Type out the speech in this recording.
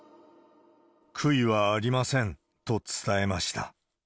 悔いはありませんと伝えました。